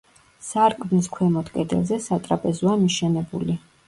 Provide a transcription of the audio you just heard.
სარკმლის ქვემოთ კედელზე სატრაპეზოა მიშენებული.